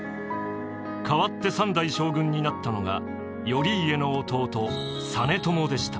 代わって三代将軍になったのが頼家の弟実朝でした。